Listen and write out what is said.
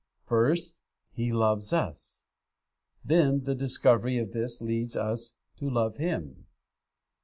First, He loves us. Then the discovery of this leads us to love Him.